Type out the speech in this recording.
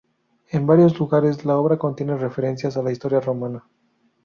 En varios lugares, la obra contiene referencias a la historia romana.